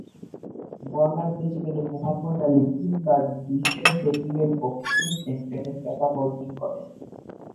বর্ণাঢ্য জীবনে Muhammad Ali তিনবার বিশ্ব হেভিওয়েট বক্সিং চ্যাম্পিয়নের খেতাব অর্জন করেন।